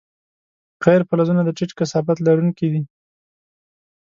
غیر فلزونه د ټیټ کثافت لرونکي دي.